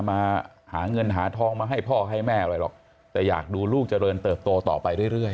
มาหาเงินหาทองมาให้พ่อให้แม่อะไรหรอกแต่อยากดูลูกเจริญเติบโตต่อไปเรื่อย